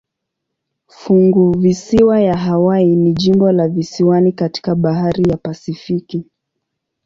Funguvisiwa ya Hawaii ni jimbo la visiwani katika bahari ya Pasifiki.